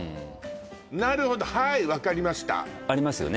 なるほどはい分かりました分かりますよね？